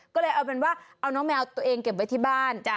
ก็เลยเอาเป็นว่าเอาน้องแมวตัวเองเก็บไว้ที่บ้าน